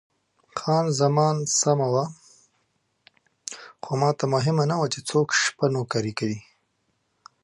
خان زمان سمه وه، خو ماته مهمه نه وه چې څوک شپه نوکري کوي.